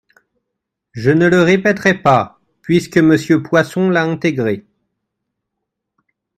Je ne le répéterai pas, puisque Monsieur Poisson l’a intégré.